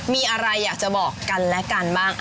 มีอะไรอยากจะบอกกันและกันบ้าง